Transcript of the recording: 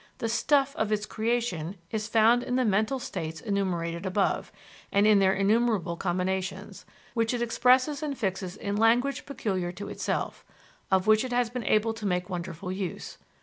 The stuff of its creation is found in the mental states enumerated above, and in their innumerable combinations, which it expresses and fixes in language peculiar to itself, of which it has been able to make wonderful use.